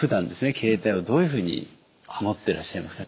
携帯をどういうふうに持ってらっしゃいますか？